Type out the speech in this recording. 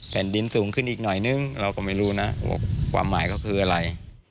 แผ่นดินสูงขึ้นอีกหน่อยนึงเราก็ไม่รู้นะว่าความหมายก็คืออะไร